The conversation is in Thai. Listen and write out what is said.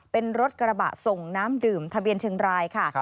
เป็นรถกระบะส่งน้ำดื่มทะเบียนเชียงรายค่ะ